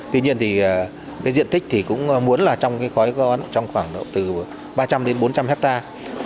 tuy nhiên thì cái diện tích thì cũng muốn là trong cái khói có trong khoảng độ từ ba trăm linh đến bốn trăm linh hectare